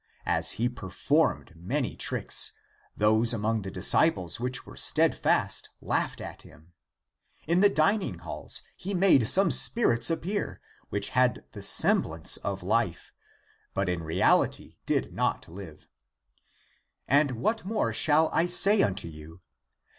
As he performed many tricks, those among the disciples which were steadfast laughed at him.^^ In the dining halls he made some spirits appear, which had the semblance of life, but in reality did not live. And what more shall I say unto you?